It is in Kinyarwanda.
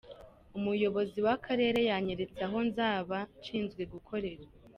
Umuyobozi w’akarere yanyeretse aho nzaba nshinzwe gukorera.